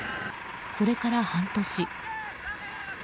それから半年。